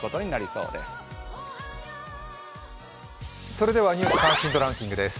それでは「ニュース関心度ランキング」です。